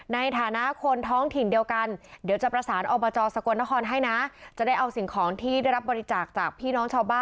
ในฐานะคนท้องถิ่นเดียวกันเดี๋ยวจะประสานออกมาจอสกวนทรบ